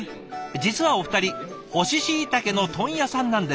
実はお二人乾しいたけの問屋さんなんです。